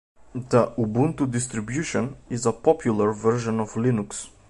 The Ubuntu distribution is a popular version of Linux.